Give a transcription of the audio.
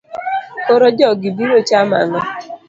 Koro jogi biro chamo ang'o?